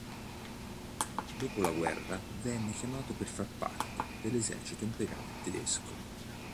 Dopo la guerra venne chiamato per far parte dell'Esercito imperiale tedesco.